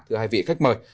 thưa hai vị khách mời